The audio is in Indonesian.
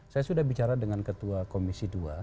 saya sudah bicara dengan ketua komisi dua